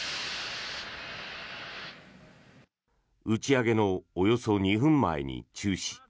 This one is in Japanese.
打ち上げのおよそ２分前に中止。